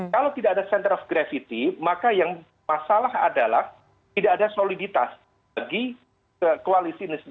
kalau tidak ada center of gravity maka yang masalah adalah tidak ada soliditas bagi koalisi ini sendiri